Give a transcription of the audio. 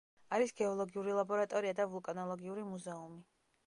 არის გეოლოგიური ლაბორატორია და ვულკანოლოგიური მუზეუმი.